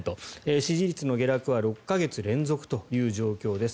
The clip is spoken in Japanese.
支持率の下落は６か月連続という状況です。